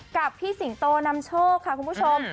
กับพี่สิงโตนำโชคค่ะคุณผู้ชม